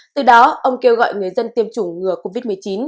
từ đó ông kêu gọi người dân tiêm chủng ngừa covid một mươi chín